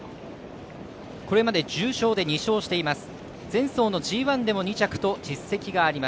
これまで重賞で２勝しています。